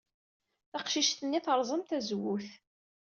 Taqcict-nni terẓem tazewwut.